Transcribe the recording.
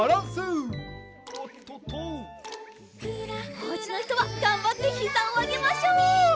おうちのひとはがんばってひざをあげましょう！